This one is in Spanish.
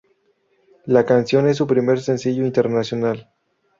La canción es su primer sencillo internacional.